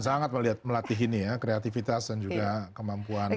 saya juga sangat melatih ini ya kreatifitas dan juga kemampuan